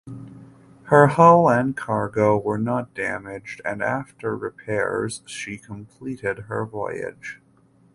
Her hull and cargo were not damaged and after repairs she completed her voyage.